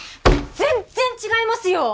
全然違いますよ！